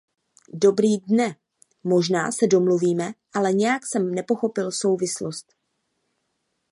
Dobrý dne, možná se domluvíme, ale nějak jsem nepochopil souvislost.